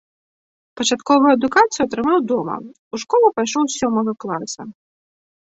Пачатковую адукацыю атрымаў дома, у школу пайшоў з сёмага класа.